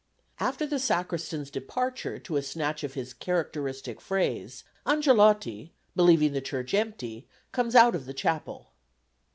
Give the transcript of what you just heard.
After the Sacristan's departure to a snatch of his characteristic phrase, Angelotti, believing the church empty, comes out of the chapel.